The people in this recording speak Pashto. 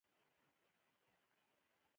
عضلې نورې دندې هم لري.